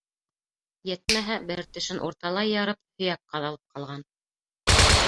Етмәһә, бер тешен урталай ярып, һөйәк ҡаҙалып ҡалған.